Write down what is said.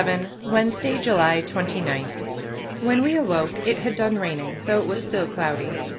VII WEDNESDAY, JULY 29 When we awoke it had done raining, though it was still cloudy.